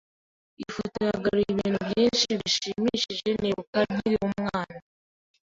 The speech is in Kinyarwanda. Ifoto yagaruye ibintu byinshi bishimishije nibuka nkiri umwana.